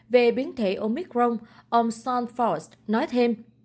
về biến thể omicron ông sean forrest nói thêm